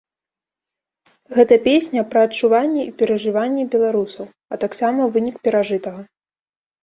Гэта песня пра адчуванні і перажыванні беларусаў, а таксама вынік перажытага.